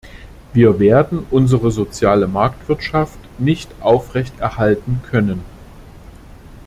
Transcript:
Wir werden unsere soziale Marktwirtschaft nicht aufrechterhalten können.